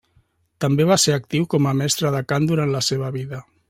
També va ser actiu com a mestre de cant durant la seva vida.